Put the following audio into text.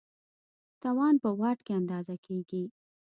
توان په واټ کې اندازه کېږي.